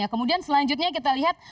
kemudian selanjutnya kita lihat